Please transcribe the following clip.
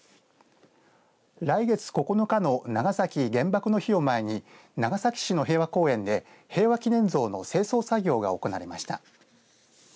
来月９日の長崎原爆の日を前に長崎市の平和公園で平和祈念像の清掃作業が行われました。